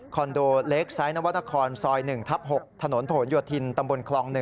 คอนโดเล็กไซด์นวัตนครซอย๑ทับ๖ถนนโผนยวทินตำบลคลอง๑